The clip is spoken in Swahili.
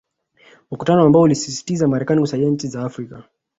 Mkutano ambao uliosisitiza Marekani kusaidia nchi za Afrika